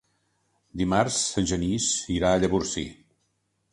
Dimarts en Genís irà a Llavorsí.